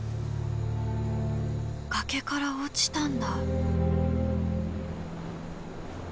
崖から落ちたんだ」。